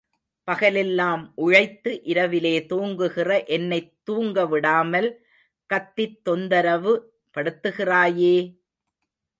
பகலெல்லாம் உழைத்து இரவிலே தூங்குகிற என்னைத் தூங்கவிடாமல் கத்தித் தொந்தரவு படுத்துகிறாயே!